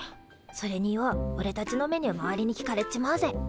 それにようおれたちのメニュー周りに聞かれっちまうぜ。